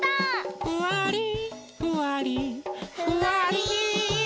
「ふわりふわりふわり」